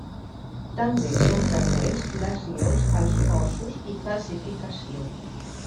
També són freqüents lesions als ossos i calcificació.